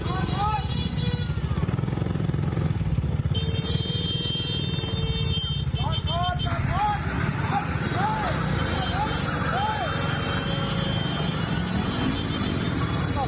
โอ้โฮโอ้โฮ